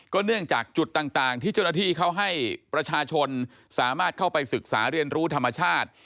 เนื่องจากจุดต่างที่เจ้าหน้าที่เขาให้ประชาชนสามารถเข้าไปศึกษาเรียนรู้ธรรมชาติ